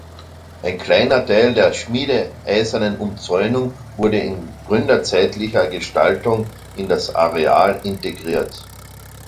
Ein kleiner Teil der schmiedeeisernen Umzäunung wurde in gründerzeitlicher Gestaltung in das Areal integriert.